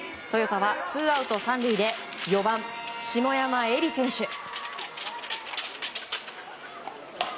トヨタはツーアウト３塁で４番、下山絵理選手。